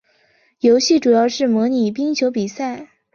游戏主要是模拟冰球比赛。